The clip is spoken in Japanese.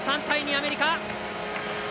３対２、アメリカ。